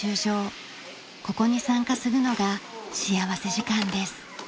ここに参加するのが幸福時間です。